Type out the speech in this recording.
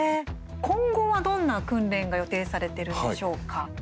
今後はどんな訓練が予定されてるんでしょうか。